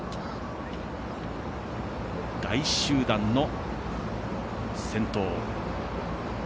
大集団の先頭。